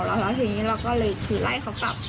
แล้วทีนี้เราก็เลยคือไล่เขากลับ